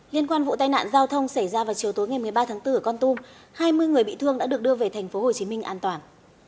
liên quan vụ tai nạn giao thông xảy ra vào chiều tối ngày một mươi ba tháng bốn ở con tum hai mươi người bị thương đã được đưa về tp hcm an toàn